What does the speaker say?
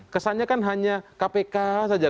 kesannya kan hanya kpk saja